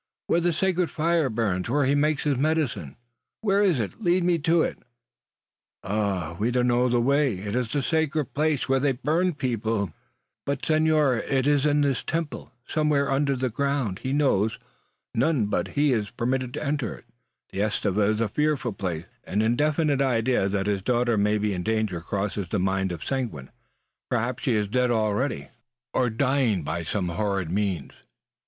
"Where the sacred fire burns; where he makes his medicine." "Where is it? lead me to it!" "Ay de mi! we know not the way. It is a sacred place where they burn people! Ay de mi!" "But, senor, it is in this temple; somewhere under the ground. He knows. None but he is permitted to enter it. Carrai! The estufa is a fearful place. So say the people." An indefinite idea that his daughter may be in danger crosses the mind of Seguin. Perhaps she is dead already, or dying by some horrid means.